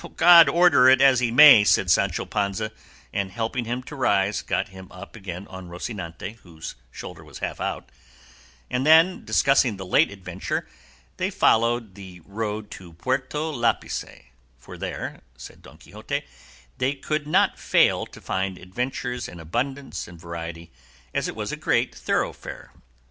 "God order it as he may," said Sancho Panza, and helping him to rise got him up again on Rocinante, whose shoulder was half out; and then, discussing the late adventure, they followed the road to Puerto Lapice, for there, said Don Quixote, they could not fail to find adventures in abundance and variety, as it was a great thoroughfare.